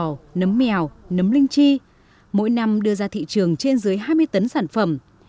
nấm mèo nấm linh chi mỗi năm đưa ra thị trường trên dưới hai mươi tấn sản phẩm